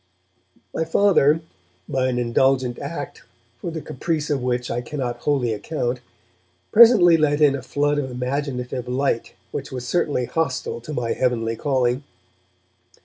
My Father, by an indulgent act for the caprice of which I cannot wholly account, presently let in a flood of imaginative light which was certainly hostile to my heavenly calling.